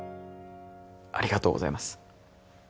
ありがとうございます。